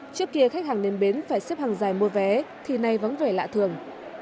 trước kia khách hàng lên bến phải xếp hàng dài mua vé thì nay vẫn vẻ lạ thường